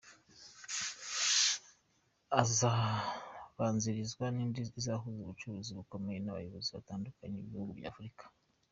Izabanzirizwa n’indi izahuza abacuruzi bakomeye n’abayobozi batandukanye b’ibihugu bya Afurika.